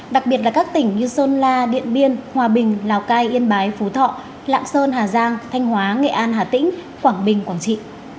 đặc biệt là các tỉnh như sơn la điện biên hòa bình lào cai yên bái phú thọ lạng sơn hà giang thanh hóa nghệ an hà tĩnh quảng bình quảng trị